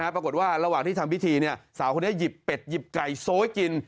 ปรากฏว่าระหว่างที่ทำพิธีสาวคนนี้หยิบเป็ดหยิบไก่โซ้ยกิน